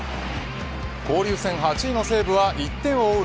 交流戦８位の西武は１点を追う